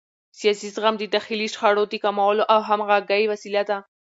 سیاسي زغم د داخلي شخړو د کمولو او همغږۍ وسیله ده